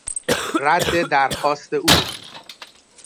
رد درخواست او